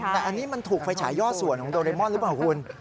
แต่อันนี้มันถูกไฟฉายย่อส่วนของโดเรมอนหรือเปล่าคุณ